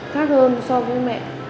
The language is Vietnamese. khác hơn so với mẹ